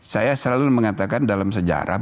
saya selalu mengatakan dalam sejarah